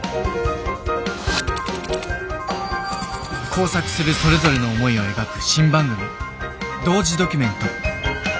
交錯するそれぞれの思いを描く新番組「同時ドキュメント」。